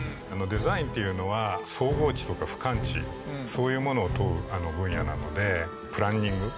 デザインっていうのは総合値とか俯瞰値そういうものを問う分野なのでプランニング。